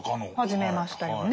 始めましたよね。